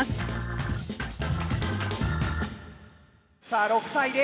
さあ６対０。